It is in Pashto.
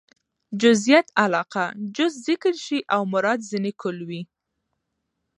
جزئيت علاقه؛ جز ذکر سي او مراد ځني کُل يي.